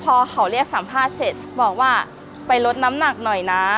พอเขาเรียกสัมภาษณ์เสร็จบอกว่าไปลดน้ำหนักหน่อยนะ